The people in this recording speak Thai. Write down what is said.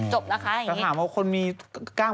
จบแล้วค่ะอย่างนี้แต่ถามว่าคนมีกล้าม